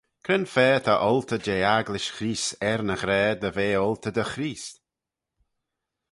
Cre'n fa ta oltey jeh agglish Chreest er ny ghra dy ve oltey dy Chreest?